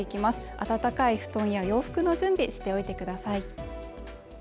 温かい布団や洋服の準備しておいてください